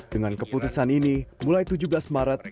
dengan keputusan ini mulai tujuh belas maret